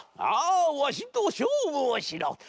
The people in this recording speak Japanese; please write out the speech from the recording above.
「ああわしとしょうぶをしろ」。